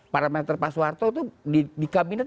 parameter pak soeharto itu di kabinet